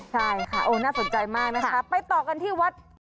ใช่ค่ะโอ้น่าสนใจมากนะคะไปต่อกันที่วัด